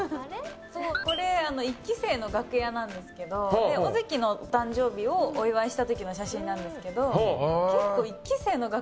そうこれ一期生の楽屋なんですけど尾関の誕生日をお祝いしたときの写真なんですけど。